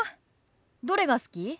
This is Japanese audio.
どれが好き？